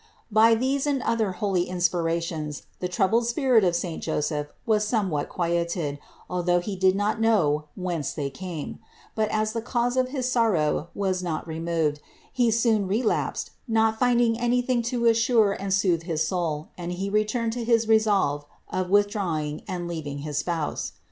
391. By these and other holy inspirations the troubled spirit of saint Joseph was somewhat quieted, although he did not know whence they came ; but as the cause of his sorrow was not removed, he soon relapsed, not finding anything to assure and soothe his soul, and he returned to his resolve of withdrawing and leaving his Spouse.